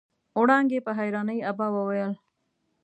وړانګې په حيرانۍ ابا وويل.